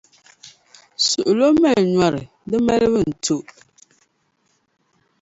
Suɣulo mali nyɔri, di malibu n-to.